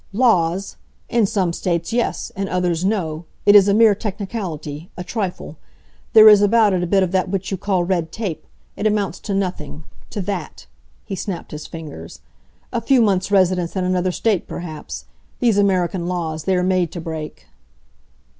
"Laws! In some states, yes. In others, no. It is a mere technicality a trifle! There is about it a bit of that which you call red tape. It amounts to nothing to that!" He snapped his fingers. "A few months' residence in another state, perhaps. These American laws, they are made to break."